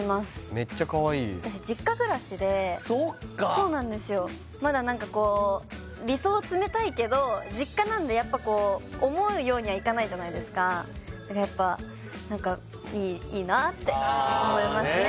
めっちゃかわいい絵私実家暮らしでそっかそうなんですよまだなんかこう理想を詰めたいけど実家なんでやっぱこう思うようにはいかないじゃないですかだからやっぱなんかいいなって思いますね